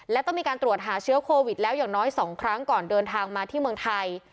และต้องมีการตรวจหาเชื้อโควิดแล้วอย่างน้อย๒ครั้งก่อนเดินทางมาที่เมืองไทย